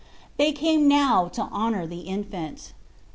They came now to honour the infant.